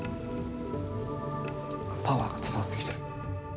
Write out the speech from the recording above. パワーが伝わってきてる。